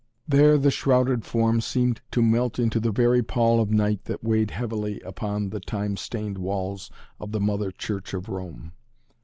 There the shrouded form seemed to melt into the very pall of night that weighed heavily upon the time stained walls of the Mother Church of Rome.